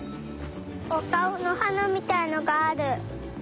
おかおのはなみたいのがある。